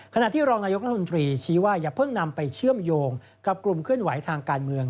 ขณะที่รองนายกรัฐมนตรีชี้ว่าอย่าเพิ่งนำไปเชื่อมโยงกับกลุ่มเคลื่อนไหวทางการเมือง